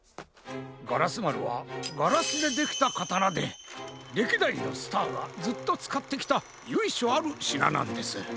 ガラスまるはガラスでできたかたなでれきだいのスターがずっとつかってきたゆいしょあるしななんです。